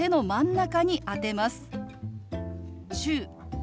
「中」。